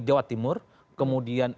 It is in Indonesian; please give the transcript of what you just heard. jawa timur kemudian